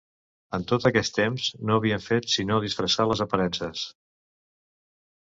En tot aquest temps, no havien fet sinó disfressar les aparences.